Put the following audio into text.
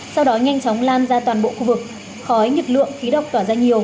sau đó nhanh chóng lan ra toàn bộ khu vực khói nhiệt lượng khí độc tỏa ra nhiều